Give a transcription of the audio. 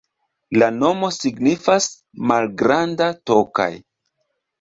La nomo signifas: malgranda Tokaj.